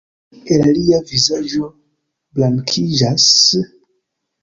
Kiel lia vizaĝo blankiĝas?